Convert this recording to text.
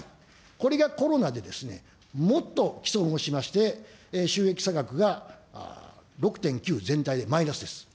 これがコロナで、もっと棄損をしまして、収益差額が６．９、全体でマイナスです。